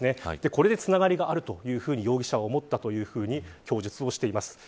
これでつながりがあるというふうに容疑者は思ったというふうに供述しています。